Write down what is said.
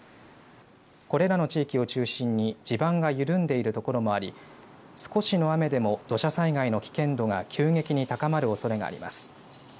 これらの地域を中心に地盤が緩んでいる所もあり少しの雨でも土砂災害の危険度が急激に高まるおそれがあります。